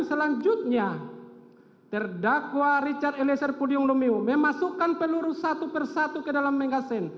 selanjutnya terdakwa richard eliezer pudium lumiu memasukkan peluru satu persatu ke dalam megasin